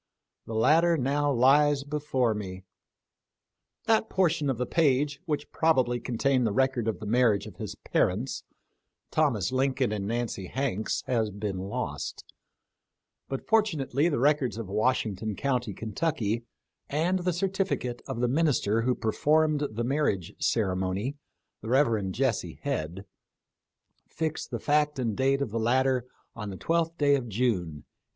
The latter now lies before me. That portion of the page which probably contained the record of the marriage of his parents, Thomas Lincoln and Nancy Hanks, has been lost ; but fortunately the records of Washington county, Kentucky, and the certifi cate of the minister who performed the marriage ceremony — the Rev. Jesse Head — fix the fact and date of the latter on the 12th day of June, 1806.